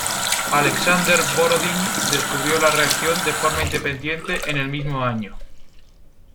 Aleksandr Borodín descubrió la reacción de forma independiente en el mismo año.